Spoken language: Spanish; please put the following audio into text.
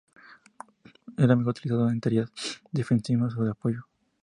Era mejor utilizado en tareas defensivas o de apoyo.